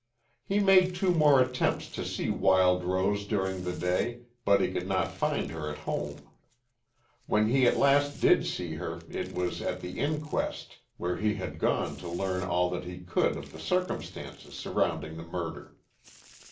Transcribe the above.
He made two more attempts to see Wild Rose during the day, but he could not find her at home. When he at last did see her it was at the inquest, where he had gone to learn all that he could of the circumstances surrounding the murder.